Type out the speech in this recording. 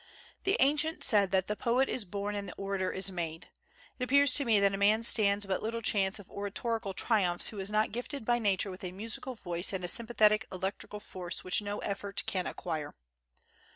The ancients said that the poet is born and the orator is made. It appears to me that a man stands but little chance of oratorical triumphs who is not gifted by nature with a musical voice and a sympathetic electrical force which no effort can acquire.